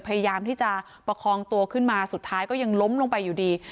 พยายามที่จะประคองตัวขึ้นมาสุดท้ายก็ยังล้มลงไปอยู่ดี